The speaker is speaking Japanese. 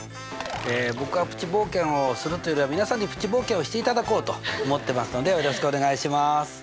僕はプチ冒険をするというよりは皆さんにプチ冒険をしていただこうと思ってますのでよろしくお願いします！